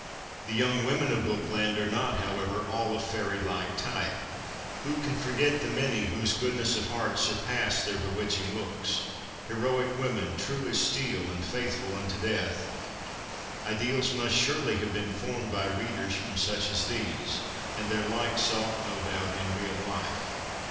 The young women of Bookland are not, however, all of fairy like type. Who can forget the many whose goodness of heart surpass their bewitching looks — heroic women, true as steel, and faithful unto death ? Ideals must surely have been formed by readers from such as these, and their like sought no doubt in real life.